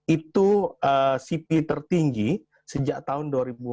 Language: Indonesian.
itu cpi tertinggi sejak tahun dua ribu empat belas